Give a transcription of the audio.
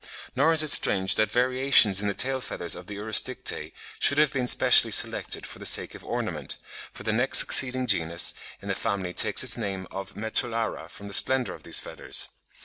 Nor is it strange that variations in the tail feathers of the Urosticte should have been specially selected for the sake of ornament, for the next succeeding genus in the family takes its name of Metallura from the splendour of these feathers.